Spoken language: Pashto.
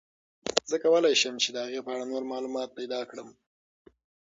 زه کولای شم چې د هغې په اړه نور معلومات پیدا کړم.